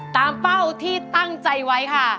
เป้าที่ตั้งใจไว้ค่ะ